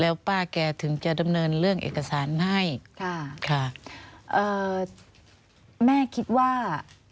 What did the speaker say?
แล้วป้าแกถึงจะดำเนินเรื่องเอกสารให้ค่ะค่ะเอ่อแม่คิดว่า